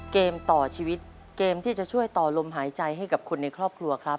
เกมต่อชีวิตเกมที่จะช่วยต่อลมหายใจให้กับคนในครอบครัวครับ